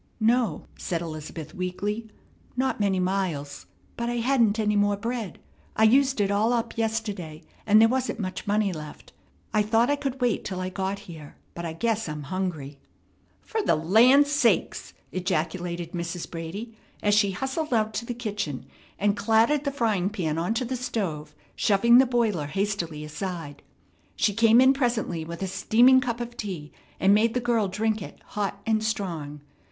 "No," said Elizabeth, weakly, "not many miles; but I hadn't any more bread. I used it all up yesterday, and there wasn't much money left. I thought I could wait till I got here, but I guess I'm hungry." "Fer the land sakes!" ejaculated Mrs. Brady as she hustled out to the kitchen, and clattered the frying pan onto the stove, shoving the boiler hastily aside. She came in presently with a steaming cup of tea, and made the girl drink it hot and strong.